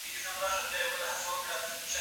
نړيوال ادبيات هم بايد وپېژندل سي.